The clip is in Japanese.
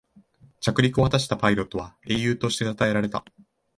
着陸を果たしたパイロットは英雄としてたたえられた